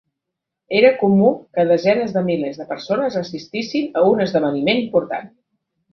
Era comú que desenes de milers de persones assistissin a un esdeveniment important.